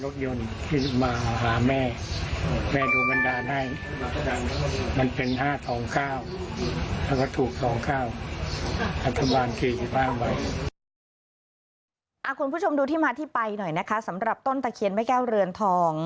คุณผู้ชมดูที่มาที่ไปหน่อยนะคะสำหรับต้นตะเคียนแม่แก้วเรือนทอง